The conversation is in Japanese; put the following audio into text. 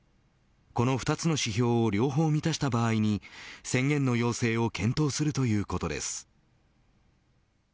この２つの指標を両方を満たした場合に宣言の要請を検討するということです。